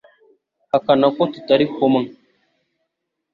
hakana ko tutari kumwe